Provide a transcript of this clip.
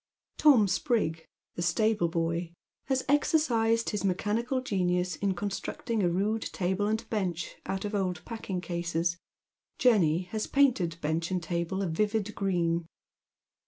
Tom Sprig, the stable boy, has exercised his mecljanical genius in constructing a rude table and bench out of old packing cases — Jenny has painted bench and table a vivid green.